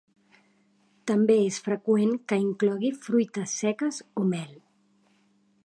També és freqüent que inclogui fruites seques o mel.